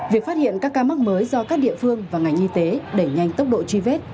việc phát hiện các ca mắc mới do các địa phương và ngành y tế đẩy nhanh tốc độ truy vết